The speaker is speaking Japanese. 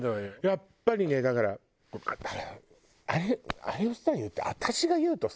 やっぱりねだからあれをさ言うと。